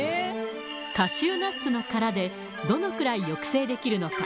カシューナッツの殻でどのくらい抑制できるのか。